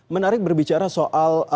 menarik berbicara soal